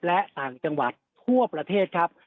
และต่างจังหวัดทั่วประเทศครับ